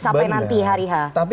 sampai nanti hari hari